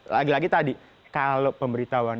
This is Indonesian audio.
lagi lagi tadi kalau pemberitahuan